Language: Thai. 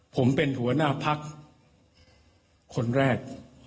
ผมเป็นหัวหน้าพักคนแรก